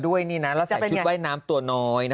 ด้วยนะแล้วใส่ชุดว่ายน้ำตัวน้อยนะ